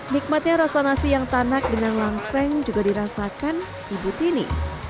nikmatnya rasa nasi yang tanak dengan langseng juga dirasakan ibu tini